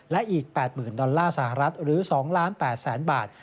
และอีก๘๐๐๐ดอลลาร์สหรัฐหรือ๒๘๐๐๐บาท